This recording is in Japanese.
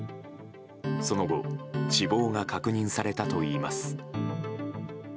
その後、死亡が確認されたといいます。